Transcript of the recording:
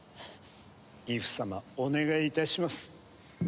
ギフ様お願いいたします。